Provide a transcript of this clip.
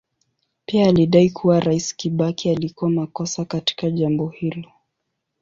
Pia alidai kuwa Rais Kibaki alikuwa makosa katika jambo hilo.